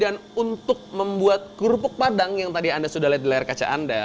dan untuk membuat kerupuk padang yang tadi anda sudah lihat di layar kaca anda